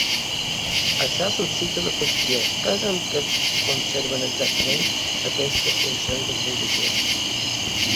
Això suscita la qüestió què és el que conserven exactament aquestes funcions de transició.